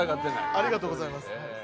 ありがとうございます。